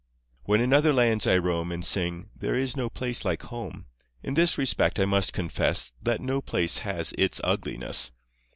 When in other lands I roam And sing "There is no place like home." In this respect I must confess That no place has its ugliness.